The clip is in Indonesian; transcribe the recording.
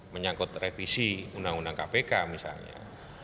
menyangkut revisi undang undang kpk misalnya